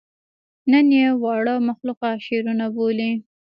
نن ئې واړه مخلوقات شعرونه بولي